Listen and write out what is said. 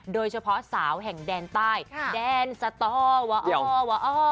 โดยเฉพาะสาวแห่งแดนใต้แดนสตอวะอ้อวะอ